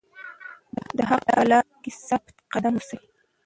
د حق په لاره کې ثابت قدم اوسئ.